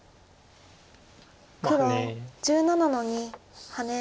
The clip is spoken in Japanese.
黒１７の二ハネ。